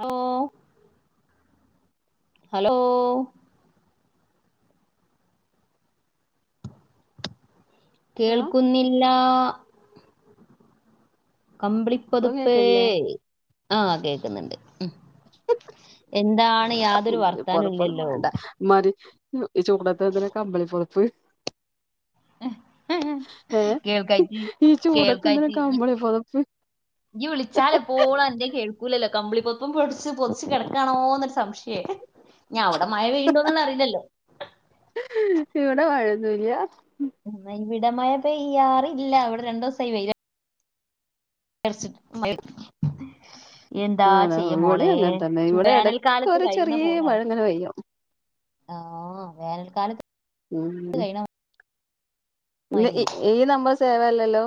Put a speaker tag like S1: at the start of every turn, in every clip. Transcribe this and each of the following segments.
S1: Hello hello
S2: hello
S1: കേൾക്കുന്നില്ല
S2: ഇപ്പൊ
S1: കമ്പിളിപ്പൊതപ്പേ
S2: കേക്കണില്ലേ
S1: ആഹ് കേക്കുന്നുണ്ട് ഉം എന്താണ് യാതൊരു വർത്താനം ഇല്ലല്ലോ
S2: മതി ഈ ചൂടത്ത് എന്തിനാ കമ്പിളി പൊതപ്പ് ഏഹ്
S1: കേൾക്കായിട്ട്
S2: ഈ ചൂടത്ത് എന്തിനാ
S1: കേൾക്കായിട്ട്
S2: കമ്പിളി പൊതപ്പ്
S1: ഇയ്യ് വിളിച്ചാല് എപ്പോളും അന്റെ കേൾ ക്കൂല്ലല്ലോ കമ്പളി പൊതപ്പും പൊടിച്ച് പൊതച്ച് കിടക്കാണോ എന്നൊരു സംശയം ഞാ [unintelligible] അവിടെ മഴ പെയ്യുന്നുണ്ടോന്ന് അറിയില്ലല്ലോ
S2: ഇവിടെ മഴെയൊന്നൂല്ല
S1: എന്ന ഇവിടെയ മഴ പെയ്യറില്ല ഇവിടെ രണ്ടു ദിവസായി വെയില [unintelligible] എന്താ
S2: ആണോ
S1: ചെയ്യ
S2: ഇവിടെ
S1: മോളെ
S2: അങ്ങനെ തന്നെ ഇവിടെ ഇടക്ക്
S1: വേനൽക്കാലത്ത്
S2: ഒരു
S1: കഴിയുന്ന
S2: ചെറിയ മഴ
S1: പോലാന്ന്
S2: ഇങ്ങനെ പെയ്യും
S1: ആഹ് വേനൽക്കാലത്ത്
S2: [unintelligible]
S1: കഴിയണ
S2: ഇത്
S1: മാതിരി
S2: ഈ നമ്പർ സേവല്ലല്ലോ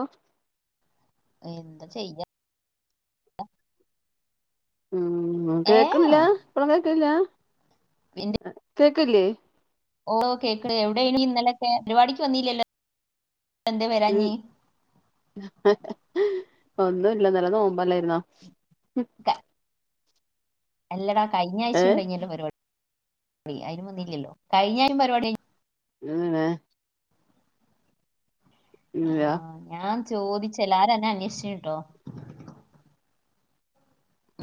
S1: എന്ത ചെയ്യാ
S2: ഉം
S1: ഏ
S2: കേക്കുന്നില്ല ഇപ്പളും കേക്കില്ല
S1: പിന്നെ
S2: കേക്കില്ലേ
S1: ഓ കേക്ക് എവിടെ ഇനി ഇന്നലെക്കെ പരിപാടിക്ക് വന്നല്ലല്ലോ എന്ത വരാഞ്ഞീ
S2: ഒന്നുല്ല ഇന്നലെ നോമ്പല്ലായിരുന്നോ
S1: ക്ക എല്ലടാ കഴിഞ്ഞ
S2: ഏ
S1: ആഴ്ച ഉണ്ടെല്ലോ പരിപാടി അതിനും വന്നില്ലല്ലോ കഴിഞ്ഞ ആഴം പരിപാടി
S2: [unintelligible]
S1: ആ,
S2: ഇല്ല
S1: ഞാൻ ചോദിച്ചല്ല ആരും അന്നെ അന്വേഷിച്ചട്ടോ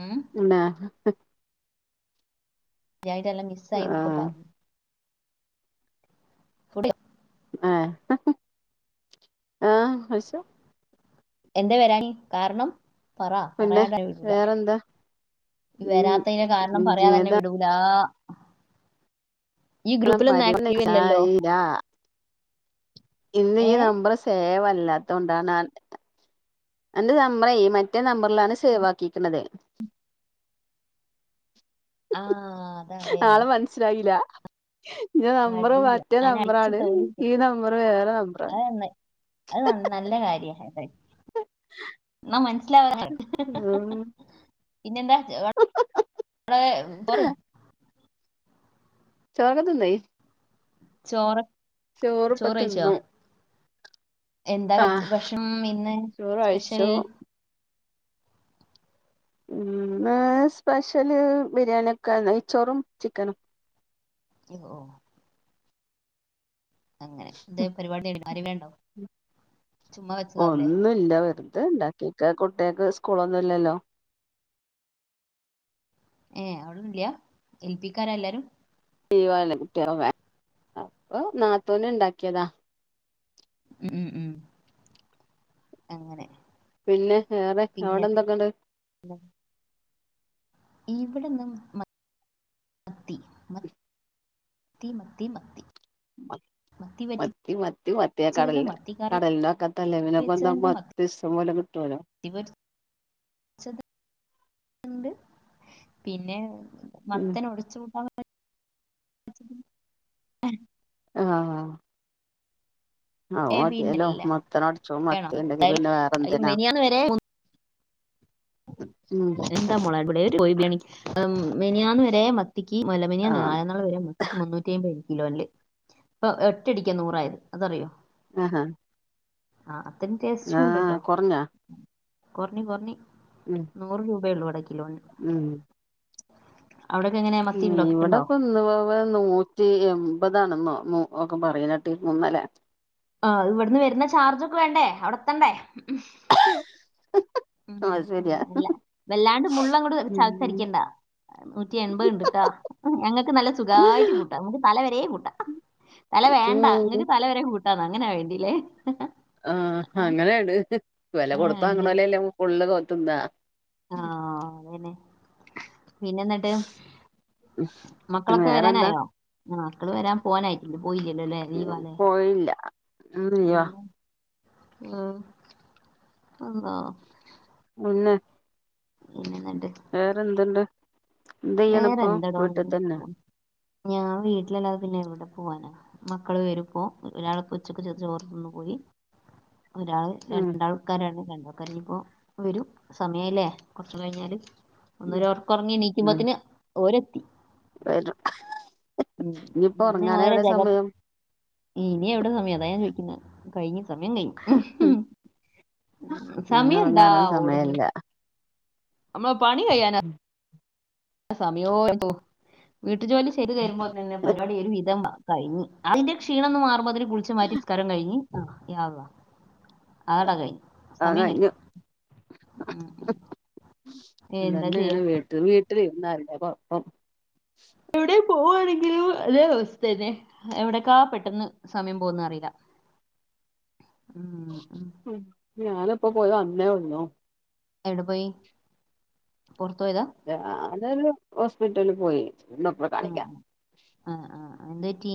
S1: ഉം
S2: ഉണ്ടാ
S1: അയിട്ടല്ല മിസ് ആയി
S2: ആ
S1: എന്നൊക്കെ പറഞ്ഞു [unintelligible]
S2: ആഹ് ഹ സൊ
S1: എന്താ വരാനേ കാരണം പറ
S2: പിന്നെ
S1: പറയാണ്ടന്നെ വിടൂല
S2: വേറെന്താ
S1: ഈ
S2: ഉം
S1: വരാത്തതിന്റെ കാരണം പറയാതൊ അന്നെ
S2: ഏതാ
S1: വിടൂ ല്ല നീ ഗ്രൂപ്പിലൊന്നും
S2: പരിപാടി
S1: ആക്റ്റീവ് അല്ലല്ലോ
S2: ഇന്ന് ഈ
S1: ഏ
S2: നമ്പർ സേവ് അല്ലാത്ത കൊണ്ടാണ് എന്റെ നമ്പറ മറ്റേ നമ്പറിലാണ് സേവ് ആക്കിയിരിക്കുന്നത്
S1: ആഹ് അതല്ലെ
S2: ആള് മനസ്സിലായില്ല നമ്പർ
S1: അടി
S2: മറ്റേ
S1: അങ്ങനെ അടിച്ചു
S2: നമ്പറാണ്
S1: തോലിക്കും
S2: ഈ നമ്പർ വേറെ
S1: അത്
S2: നമ്പറാണ്
S1: നന്ന- അത് നല്ല കാര്യമായി പോയി
S2: [inaudible]
S1: മനസ്സിലാവ
S2: ആഹ്
S1: പിന്നെന്താ അവിടെ പറ
S2: ചോറേക്ക് തിന്നേയ്
S1: ചോറ് ചോറ് കഴിച്ചോ
S2: ചോറ്പ്പത്തിന്നു
S1: എന്താ കഴിച്ചേ ഭക്ഷണം ഇന്ന്
S2: ചോറ്
S1: സ്പെഷ്യൽ
S2: കഴിച്ചു ഇന്ന് സ്പെഷ്യല് ബിരിയാണി ഒക്കെ നെയ്ച്ചോറും ചിക്കനും
S1: ഓഹ് അങ്ങനെ എന്തെ പരിപാടി ആരേലും ഉണ്ടോ ചുമ്മ വെച്ചതാവൂല്ലേ
S2: ഇല്ല വെറുതെ ഇണ്ടാക്കിക്ക കുട്ട്യാക്ക് സ്കൂളൊന്നും ഇല്ലല്ലോ
S1: ഏഹ് അവിടെല്ല എൽ പി ക്കാര എല്ലാരും
S2: ലീവാണ് കുട്ട്യാക്കൊക്കെ അപ്പൊ നാത്തൂന് ഉണ്ടാക്കിയതാ
S1: ഉം ഉ ഉം അങ്ങനെ
S2: പിന്നെ വേറെ
S1: പിന്നെ
S2: അവിടെ എന്തൊക്കെണ്ട്
S1: ഇവിടെന്ന് മ മത്തി മ മത്തി മത്തി മത്തി
S2: മ മത്തി മത്തി മത്തി
S1: വറ്റിച്ചതുണ്ട്
S2: കടലിന്റെ
S1: മത്തി കറി
S2: കടലിന്റെ വക്കത്തല്ലെ പിന്നെ പെന്താ മ ഇഷ്ട്ടം പോലെ കിട്ടോല്ലോ
S1: മീൻ പൊരിച്ചത് ഉണ്ട് പിന്നെ
S2: ഉം
S1: മത്തന് ഒഴിച്ചു കൂട്ടാ
S2: ആഹ് അഹ്
S1: ഏ
S2: മതിയല്ലോ
S1: പിന്നല്ല
S2: മത്തൻ ഒടച്ചതും മത്തി ഉണ്ടെങ്കി പിന്നെ വേറെ എന്തിനാ
S1: മിനിയാന്ന് വരെ
S2: ഉം
S1: എന്താ മോളെ ഇവിടെ ഒരു കോയി ബിരിയാണി മെനിഞ്ഞാന്ന് വരെ മത്തിക്ക് അല്ല മെനിഞ്ഞാന്ന് അല്ല
S2: ആഹ്
S1: നാലാം നാള് വരെ മ ക്ക് മുന്നൂറ്റി അമ്പത് കിലോ ഇല്ലേ ഇപ്പൊ ഒറ്റടിക്കാ നൂറായത് അതറിയോ
S2: ആഹാ
S1: ആഹ് അത്രയും ടേസ്റ്റും
S2: ആഹ്
S1: ഉണ്ട്ട്ടോ
S2: കൊറഞ്ഞോ
S1: കൊറഞ്ഞ് കൊറഞ്ഞ്
S2: ഉം
S1: നൂറ് രൂപയൊള്ളൂ ഇവിടെ കിലോന്
S2: ഉം
S1: അവിടൊക്കെ എങ്ങനെ മത്തി
S2: ഏഹ്
S1: ഉണ്ടോ കിട്ടുണ്ടോ
S2: ഇവിടെപ്പം ഇന്നുവവെ നൂറ്റി എമ്പതാണെന്നോ ന്നൊ ഒക്കെ പറയുന്ന കേട്ടിരുന്നു ഇന്നലെ
S1: ആഹ് ഇവിടുന്ന് വരുന്ന ചാർജൊക്കെ വേണ്ടേ അവിടെ എത്തണ്ടേ ഉം
S2: അത്
S1: ഉം
S2: ശരിയാ
S1: അല്ല വല്ലാണ്ട് മുള്ള് അങ്ങട്
S2: ഉം
S1: ചവച്ചരക്കണ്ടാ നൂറ്റി എൺപത് ഇണ്ട്ട്ടാ ഞങ്ങൾക്ക് നല്ല സുഖായിട്ട് കൂട്ടാ നമുക്ക് തല വരെയും കൂട്ടാം തല വേണ്ട
S2: ഉം
S1: ഇങ്ങക്ക് തല വരെ കൂട്ടാന്നാ അങ്ങനാ വേണ്ടീല്ലേ
S2: ആഹ് അങ്ങനെയാണ് വെല
S1: ആ
S2: കൊടുത്ത് വാങ്ങ്ണോലല്ലേ ഫുള്ള് തിന്നാ
S1: ആഹ് അതന്നെ പിന്നെ എന്നിട്ട് മക്കളൊക്കെ
S2: വേറെന്താ
S1: വരാനായോ ആഹ് മക്കള് വരാൻ പോവാനായിട്ടില്ല പോയില്ലല്ലോലേ ലീവാലേ
S2: പോയില്ല ഇയ്യോ
S1: ഉം ഉം അള്ളാ
S2: പിന്നെ
S1: പിന്നെന്നാണ്ട്
S2: വേറെന്ത്ണ്ട് എന്ത് ചെയ്യണ്‌
S1: വേറെ
S2: ഇപ്പോ
S1: എന്താടോ
S2: വീട്ടി തന്നെ
S1: ഞാൻ വീട്ടിലല്ലാതെ പിന്നെ എവിടെ പോവാനാ മക്കള് വെരുമ്പൊ ഒരാൾ ഉച്ചക്ക് ചോ ചോറുന്ന് പോയി ഒരാള്
S2: ഉം
S1: രണ്ടാൾക്കാരാണ് രണ്ടാൾക്കാര് ഇനിയിപ്പോ വരും സമയായില്ലേ കൊറച്ച് കഴിഞ്ഞാല്
S2: ഉം
S1: ഒന്നൊരൊറക്കം ഒറങ്ങി
S2: ഉം
S1: എണീക്കുമ്പോത്തിന് ഓരെത്തി
S2: വരും
S1: ഉം
S2: ഇനിയിപ്പൊ
S1: പിന്നെ
S2: ഒറങ്ങാന്
S1: ഓരെ
S2: എവിടെ
S1: ജഗം
S2: സമയം
S1: ഇനി എവിടെ സമയം അതാ ഞാൻ ചോദിക്കുന്നെ കഴിഞ്ഞു സമയം കഴിഞ്ഞു ഉം
S2: ഇനി
S1: സമയെന്താ
S2: ഉറങ്ങാനോ
S1: ഓടുന്നു‌
S2: സമയല്ല
S1: നമ്മളെ പണി കഴിയാനാ
S2: ഉം
S1: സമയെന്തോ വീട്ടു ജോലി ചെയ്തു വരുമ്പോ തന്നെ പരിപാടി ഒരു വിധം കഴിഞ്ഞ് അതിന്റെ ക്ഷീണം ഒന്ന് മാറുമ്പോ അതിരു കുളിച്ചമാതിരി നിസ്ക്കാരം കഴിഞ്ഞ് യാ അള്ളാ അതങ്ങട് കഴിഞ്ഞ്
S2: ആ
S1: സമയം കഴിഞ്ഞ്
S2: കഴിഞ്ഞു
S1: ഉം എന്താ ചെയ്യാ
S2: ഇതന്നെയാണ് വീട്ട് വീട്ടിലിരുന്നാ ഉള്ള കുഴപ്പം
S1: എവിടെ പോവുവാണെങ്കിലും അതേ അവസ്ഥ തന്നെ എവിടേക്കാ പെട്ടെന്ന് സമയം പോകുന്ന അറിയില്ല ഉം ഉം
S2: ഉം ഞാനിപ്പോ പോയത് അന്നേ വന്നോ
S1: എവിടെ പോയി പുറത്തു പോയതാ
S2: അ അതൊരു ഹോസ്പിറ്റല് പോയി [unintelligible]
S1: ആഹ് ആഹ് ആഹ് ആഹ് എന്ത്പറ്റി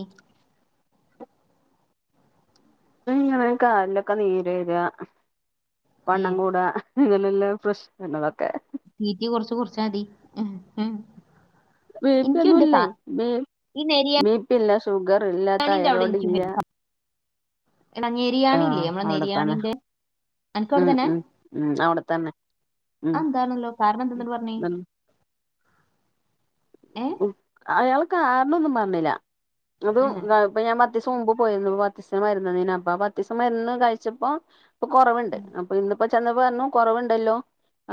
S2: ഇങ്ങനെ കാലിലൊക്കെ നീര് വരിക
S1: ഏ
S2: വണ്ണം കൂടുക ഇങ്ങനുള്ള പ്രശ്ന്നങ്ങളൊക്കെ
S1: തീറ്റി കുറച്ച് കുറച്ചാ മതി
S2: ബീ പ്പി
S1: എനിക്കും
S2: ഒന്നും
S1: എന്റെ
S2: ഇല്ലേ
S1: കാ-
S2: ബീ
S1: ഈ
S2: ബീ പ്പി ഇല്ല ഷുഗർ ഇല്ല
S1: നെരിയാണിന്റെ
S2: തൈറോയിഡ് ഇല്ല
S1: എണരിയാണി ഇല്ലേ
S2: ആഹ്
S1: നമ്മടെ
S2: അവിടെത്തന്നെ
S1: നെരിയാണീന്റെ അനക്ക് അവിടെ
S2: ഉം
S1: തന്നെ
S2: ഉം ഉം അവിടെത്തന്നെ ഉം
S1: അത് എന്താണല്ലോ കാരണം എന്താ എന്നിട്ട് പറഞ്ഞേ ഏ
S2: ഉം അയാൾ കാരണം ഒന്നും പറഞ്ഞില്ല
S1: ഏ
S2: അതും [unintelligible] അപ്പൊ ഞാൻ പത്ത് ദിവസം മുമ്പ് പോയിരുന്നു പത്ത് ദിവസം മരുന്ന് തന്നീന് അപ്പാ പത്ത് ദിവസം മരുന്ന് കഴിച്ചപ്പം ഇപ്പൊ കൊറവുണ്ട്
S1: ഉം,
S2: അപ്പൊ ഇന്നിപ്പോ ചെന്നപ്പോ പറഞ്ഞു കുറവുണ്ടല്ലോ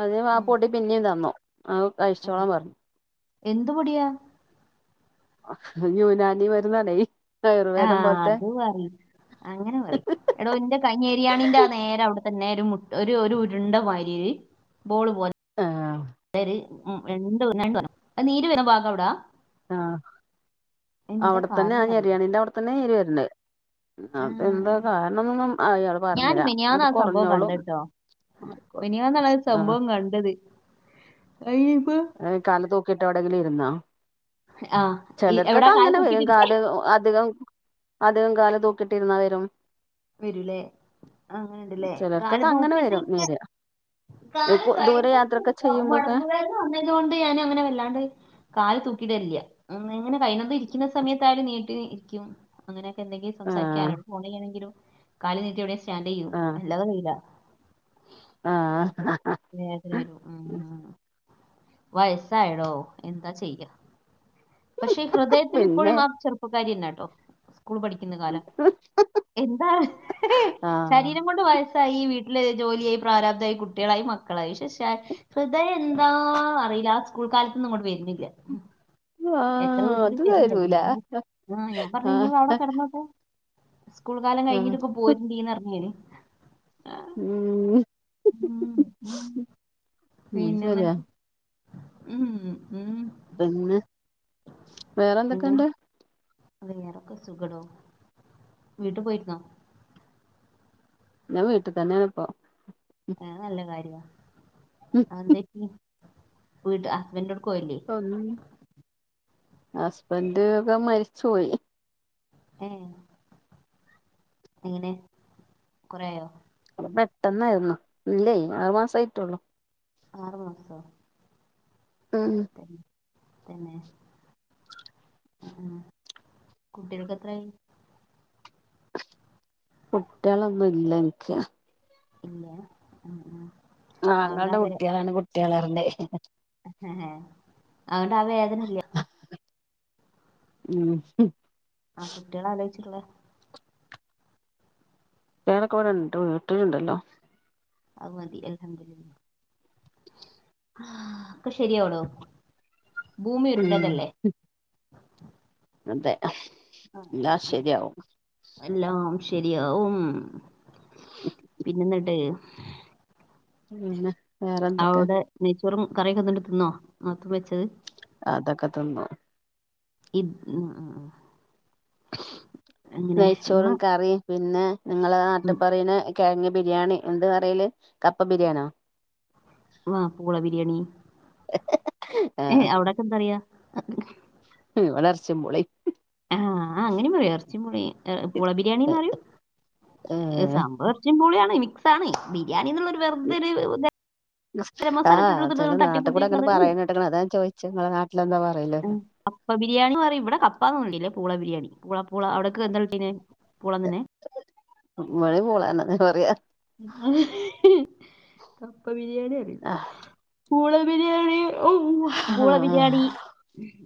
S2: അത് ആ
S1: ഉം,
S2: പൊടി പിന്നെയും തന്നു ആഹ്
S1: ഉം.
S2: കഴിച്ചോളാൻ പറഞ്ഞു
S1: എന്ത് പൊടിയാ
S2: അയ്യോ നാനി മരുന്നണേ
S1: ആഹ് അത് പറയും അങ്ങനെ പറയും എടോ എന്റെ കൈ ന്തെരിയാണീന്റെ ആ നേരെ അവിടത്തെ നേര മുട്ട് ഒര് ഒരു ഉരുണ്ട മാരിര് ബോള് പോ
S2: ആഹ്
S1: ഒര് ഉം രണ്ട് [unintelligible] നീര് വരുന്ന ഭാഗം എവിടാ
S2: ആഹ് അവിടെത്തന്നെ
S1: കാരണം
S2: ആ
S1: എന്നറിയില്ല
S2: നെരിയാണിൻ്റെ അവിടെത്തന്നെയാ നീര് വരുന്നത്
S1: ആ,
S2: അതെന്താ കാരണം എന്നൊന്നും അയാള് പറഞ്ഞില്ല അത് കുറഞ്ഞോളും
S1: മിഞ്ഞിഞ്ഞാന്ന ഒരു സംഭവം കണ്ടത് അയിബാ
S2: ഏയ് കാല് തൂക്കിയിട്ട് എവിടെങ്കിലും ഇരുന്നോ
S1: ആ ഈ- എവിടാ
S2: ചെലർക്കൊക്കെ
S1: കാല്
S2: അങ്ങനെ വരും
S1: തൂക്കിട്ടിരിക്കേ
S2: കാല് അധികം അധികം കാല് തൂക്കിട്ടിരുന്നാ വരും
S1: വരൂലേ അങ്ങനെയുണ്ടല്ലേ കാല്
S2: ചിലർക്കൊക്കെ അങ്ങനെ വരും
S1: തൂക്കിയിട്ടിരിക്കാം
S2: നീര്
S1: കാല്
S2: ദൂര യാത്രൊക്കെ
S1: [unintelligible]
S2: ചെയ്യുമ്പോക്കെ
S1: മുടമ്പ് വേദന വന്നത് കൊണ്ട് ഞാൻ അങ്ങനെ വല്ലാണ്ട് കാല് തൂക്കിയിടലില്ല അങ്ങനെ കൈയുന്നതും ഇരിക്കുന്ന സമയത്ത് ആയാലും നീട്ടി ഇരിക്കും അങ്ങനെ എന്തെങ്കിലും സംസാരിക്കാൻ
S2: ആഹ്
S1: ആരോടും ഫോണ് ചെയ്യണെങ്കിലും കാല് നീട്ടി എവിടെയേലും സ്റ്റാഡ് ചെയ്യും
S2: ആഹ്
S1: അല്ലാതെ ചെയില്ല
S2: ആഹ്
S1: വേദന വരുംആ വയസായിടോ എന്താ ചെയ്യാ പക്ഷെ ഈ ഹൃദയത്തില്
S2: പിന്നെ
S1: ഇപ്പോഴും ആ ചെറുപ്പക്കാരി തന്നെയാ കേട്ടോ സ്കൂളിൽ പഠി ക്കുന്ന കാലം എന്താ ശരീ
S2: ആഹ്
S1: രം കൊണ്ട് വയസ്സായി വീട്ടില് ജോലിയായി പ്രാരാബ്തായി കുട്ടികളായി മക്കളായി പക്ഷെ ഷാ ഹൃദയം എന്താ അറിയില്ല ആ സ്കൂൾ കാലത്തന്ന് അങ്ങോട്ട് വരുന്നില്ല എത്ര
S2: ആഹ്
S1: വിളിച്ചിട്ടും
S2: അത്
S1: വരുന്നില്ല പിന്നെ
S2: തരൂല
S1: ഞാന് ആ ഞാൻ പറഞ്ഞു
S2: ആഹ്
S1: ഇനിയും അവിടെ കിടന്നോട്ടെ സ്കൂൾ കാലം
S2: ആഹ്
S1: കഴിഞ്ഞിട്ട് ഇപ്പം [unintelligible] ആഹ്
S2: ഉം
S1: [inaudible]
S2: ഉം
S1: പിന്നെന്നത്
S2: ശരിയാ
S1: ഉം ഉം
S2: പിന്നെ
S1: പിന്നെ
S2: വേറെന്തൊക്കെണ്ട്
S1: അത് വേറെക്കെ സുഖാടോ വീട്ടിൽ പോയിരുന്നോ
S2: ഞാൻ വീട്ടിൽ തന്നെയാണ് ഇപ്പോ
S1: അത് നല്ല കാര്യവാ അത് എന്ത് പറ്റി വീട് ഹസ്ബഡിന്റെ അവിടേക്ക് പോയില്ലേ
S2: [inaudible] ഹസ്ബൻഡ് ഒക്കെ മരിച്ചുപോയി
S1: എഹ് എങ്ങനെ കൊറേ ആയൊ
S2: അത് പെട്ടന്നായിരുന്നു ഇല്ലേ ആറ് മാസായിട്ടൊള്ളു.
S1: ആറ് മാസവൊ
S2: അഹ് ഉം
S1: തന്നെ? ആഹ് കുട്ടികൾക്ക് എത്രായി?
S2: കുട്ട്യാളൊന്നുല്ല ഇൻക്ക്.
S1: ഇല്ല അ ആഹ്.
S2: ആങ്ങൾന്റെ കുട്ട്യാളാണ് കുട്ട്യാളർഞെ.
S1: എഹ് ഹെ അഹോണ്ട് ആഹ് വേദനല്ല്യ.
S2: ഉം ഹ്.
S1: ആഹ് കുട്ട്യാളെ ആലോയ്ച്ചിള്ളേ.
S2: കുട്ട്യാളൊക്കെ ഇവടണ്ട് വീട്ടില്ണ്ടല്ലോ.
S1: അഹ് മതി അൽഹംദുല്ലില്ലാഹ്. ആഹ് ഒക്കെ ശെരിയാവെടോ ഭൂമി
S2: ഉം
S1: ഉര്ണ്ടതല്ലേ.
S2: അതെ.
S1: അ ഉം
S2: എല്ലാം
S1: ഉം
S2: ശരിയാവും
S1: എല്ലാം ശെരിയാവും. പിനന്ന്ട്ട്?
S2: ഉംങ്ങനേ
S1: ഔടെ ന്നെയ്ച്ചോറും കറിയൊക്കെന്ന്ട്ട് തിന്നോ ന്നാതൂൻ വെച്ചത്.
S2: അതൊക്കെ ത്ന്നു.
S1: ഇമ്പ് ആഹ് ആഹ് ആഹ്.
S2: ന്നെയ്ച്ചോറും കറിം പിന്നെ ഇങ്ങളെ
S1: ഉം,
S2: ന്നാട്ട്പ്പറീണെ കെഴങ് ബിര്യാണി എന്ത്‌ പറയല് കപ്പ ബിര്യേനോ?
S1: വാ പൂള ബിര്യേണി എഹ്
S2: ഏഹ്
S1: ഔടൊക്കെന്താറ്യാ അ ഹ്?
S2: ഇവടെ എർച്ചിം പൂളീം.
S1: ആഹ് അങ്ങനിം പറയും എർച്ചിം പൂളീം പൂള ബിരിയാണിന്നറ്യും എഹ്
S2: ഏഹ്
S1: സംഭവം. ച്ചിം പുള്യയാണ് മിക്സ് ആണ് ബിരിയാണി ന്ന്ള്ളൊര് വെർതോര്
S2: ആഹ് ചെല ന്നാട്ട്കൂടെ അങ്ങനെ
S1: തട്ടിക്കൂട്ടിക്കുന്നത്
S2: പറെണെട്ട്ക്ക്ണ് അതാ ചോയ്ച്ചെ ഇങ്ങളെ ന്നാട്ട്ലെന്താപർ
S1: ആഹ്. കപ്പ ബിരിയാണി പറയും ഇവ്ടെ കപ്പാന്നൊളു ഇല്ലേ പൂള ബിരിയാണി പൂള പൂള ഔടക്ക് എന്താൾ ച്ച്നെ പൂളന്നെനെ.
S2: ഇവടിം പൂളന്നെനെ പറയാ.
S1: കപ്പ ബിരിയെണി പറയും പൂള ബിര്യാണി. ഓഹ് വ്വ പൂള ബിര്യാണി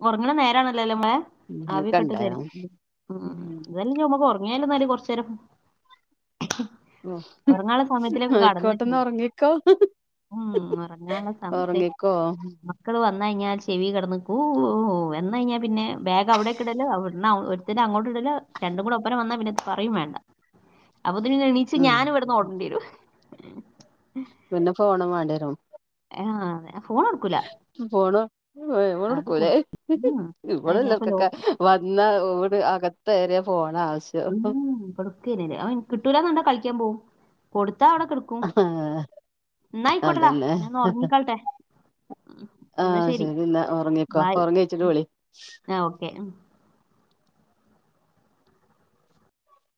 S1: ഒറങ്ണെ ന്നേരണല്ലല്ലോലെ അമ്മളെ.
S2: ഒക്കെ
S1: ആവിയൊക്കെട്ട്
S2: ഇണ്ടായിനു
S1: തെരും ഉം എന്തായാലും ഞമക്കൊർങ്ങിയാലോന്നാല് കൊർച്ചേരം.
S2: ഉം
S1: ഒർങ്ങാല സമയത്ത്ലൊക്കെ കടന്ന്ക്ക്ണ്.
S2: ആയിക്കോട്ടന്ന് ഉറങ്ങിക്കോ
S1: ഉം ഒർങ്ങാള്ള സംയത്ത്
S2: ഉറങ്ങിക്കോ
S1: മ ക്കള് വന്നഴിഞ്ഞാൽ ചെവി കെടന്ന് കൂഹുഹുഹു വെന്നഴിഞ്ഞാ പിന്നെ ബെഗ് ഔടെ കിടലോ ബ്ട്ന്ന് ഔ ഇട് ത്തിനഅങ്ങോട്ട് ഇടല് രണ്ടും കൂടെ ഒപ്പരം വന്നാ പിന്നെ പറയും വേണ്ട. അപ്പൊതിന് എണീച്ച്
S2: ഉം
S1: ഞാന് ഇവട്ന്ന് ഓടൺണ്ട്യരും.
S2: പിന്നെ ഫോണും വാണ്ട്യരും.
S1: എഹ് ആഹ് ഫോണോട്ക്കൂല.
S2: ഫോണ് എഹ് ഇവടെട്ക്കൂല
S1: ഉം. ആ,
S2: ഇവടെ
S1: ഞാനിപ്പോ ലോ
S2: ഇല്ലോൽക്കൊക്കെ. വന്നാ ഓട് അകത്തെറിയ ഫോണ ആവ്സ്
S1: ഉംഉം കൊട്ക്കെനെല്ല അപഇൻ കിട്ടുലാന്ന്ക്കണ്ടാ കളിക്കാൻ പോവും കൊടുത്താ ഔടെ കേട് എന്ന ആയിക്കോട്ടെടാ
S2: അതന്നെ
S1: ഞാൻന്ന് ഉറങ്ങിക്കോട്ടെ
S2: ആഹ് ശരിന്നാ ഒറങ്ങിക്കോ അപ്പ ഒറങ്ങി എണീച്ചിട്ട് വിളി
S1: ആഹ് ഓക്കെ